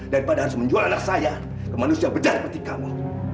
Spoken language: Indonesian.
daripada harus menjual anak saya ke manusia berjalan seperti kamu